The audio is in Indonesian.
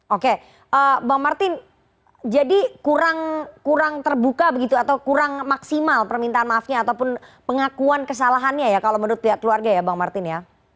oke bang martin jadi kurang terbuka begitu atau kurang maksimal permintaan maafnya ataupun pengakuan kesalahannya ya kalau menurut pihak keluarga ya bang martin ya